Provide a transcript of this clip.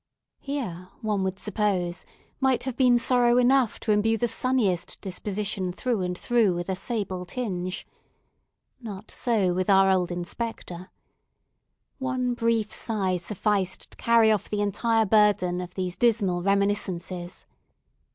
Here, one would suppose, might have been sorrow enough to imbue the sunniest disposition through and through with a sable tinge. Not so with our old Inspector. One brief sigh sufficed to carry off the entire burden of these dismal reminiscences.